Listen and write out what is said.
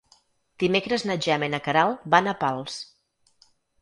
Dimecres na Gemma i na Queralt van a Pals.